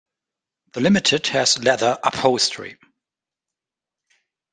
The Limited has leather upholstery.